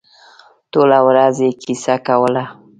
ټوله ورځ یې کیسه کوله.